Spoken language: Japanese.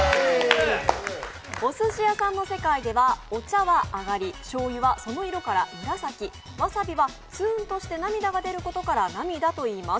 おすし屋さんの世界ではお茶は上がり、しょうゆはその色からむらさき、わさびはツーンとして涙が出ることからなみだといいます。